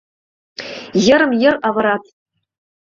Йырым-йыр авырат!